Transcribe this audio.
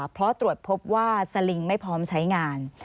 เพราะตรวจพบว่าสลิงไม่พร้อมใช้งาน